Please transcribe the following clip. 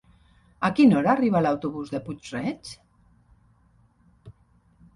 A quina hora arriba l'autobús de Puig-reig?